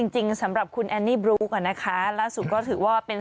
จริงสำหรับคุณแอนนี่บลุ๊กอ่ะนะคะล่าสุดก็ถือว่าเป็น